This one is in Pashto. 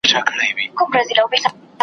چي هر ځای به کار پیدا سو دی تیار وو .